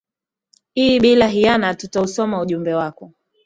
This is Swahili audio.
i bila hiyana tutausoma ujumbe wako